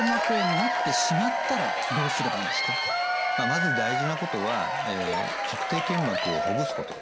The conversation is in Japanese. まず大事なことは足底腱膜をほぐすこと。